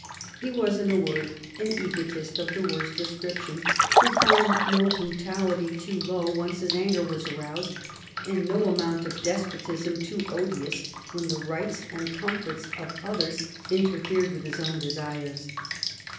^' He was, in a word^ an egotist of the worst description, who found no brutality too low once his anger was aroused, and no amount of despotism too odious when the rights and comforts of others interfered with his own desires.